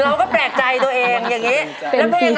เราก็แปลกใจตัวเองอย่างนี้